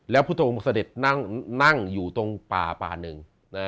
แล้วพุทธองค์เสด็จนั่งอยู่ตรงป่าป่าหนึ่ง